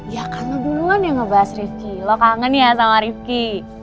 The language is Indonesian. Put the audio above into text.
ya kamu duluan yang ngebahas rifki lo kangen ya sama rifki